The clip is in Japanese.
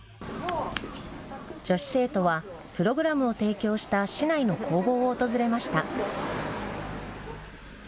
女子生徒はプログラムを提供した市内の工房を訪れました。